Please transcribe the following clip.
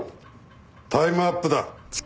タイムアップだ。